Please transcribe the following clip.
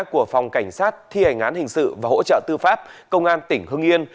của phòng cảnh sát thi hành án hình sự và hỗ trợ tư pháp công an tỉnh hưng yên